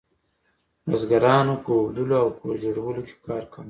بزګرانو په اوبدلو او کور جوړولو کې کار کاوه.